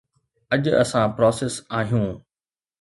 اڄ اسان پراسيس آهيون.